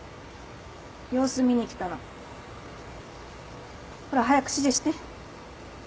様子見に来たの。ほら早く指示して。